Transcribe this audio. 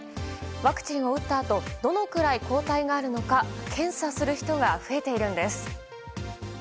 ワクチンを打ったあとどのくらい抗体があるのか検査する人が増えているんです。